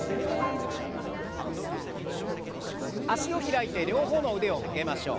脚を開いて両方の腕を曲げましょう。